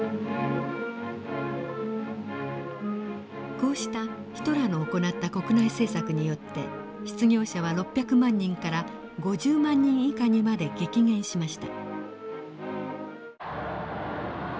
こうしたヒトラーの行った国内政策によって失業者は６００万人から５０万人以下にまで激減しました。